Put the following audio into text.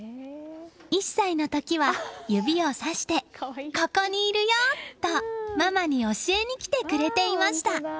１歳の時は、指をさしてここにいるよ！とママに教えに来てくれていました。